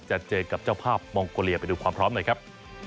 จะเจอกับเจ้าภาพมองโกเลียไปดูความพร้อมหน่อยครับ